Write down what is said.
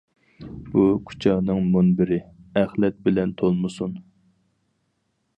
بۇ كۇچانىڭ مۇنبىرى، ئەخلەت بىلەن تولمىسۇن.